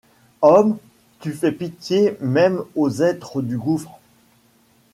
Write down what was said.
Homme, tu fais pitié même aux êtres du gouffre